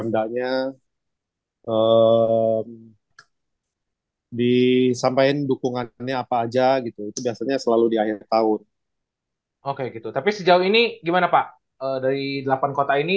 gimana pak dari delapan kota ini